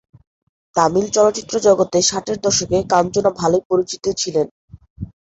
তামিল চলচ্চিত্র জগতে ষাটের দশকে কাঞ্চনা ভালোই পরিচিত ছিলেন।